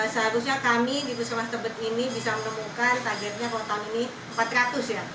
seharusnya kami di puskesmas tebet ini bisa menemukan targetnya kalau tahun ini empat ratus ya